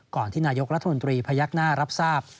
ที่นายกรัฐมนตรีพยักหน้ารับทราบ